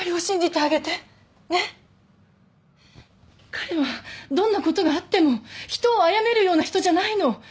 彼はどんな事があっても人をあやめるような人じゃないの。